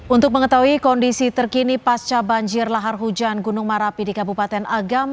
untuk mengetahui kondisi terkini pasca banjir lahar hujan gunung merapi di kabupaten agam